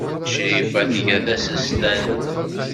Crifa tga tasestant.